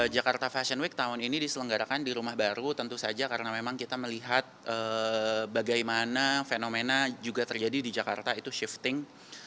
jakarta fashion week tahun ini diselenggarakan di rumah baru tentu saja karena memang kita melihat bagaimana fenomena juga terjadi di jakarta itu shifting